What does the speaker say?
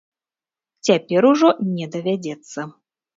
Цяпер ужо не давядзецца.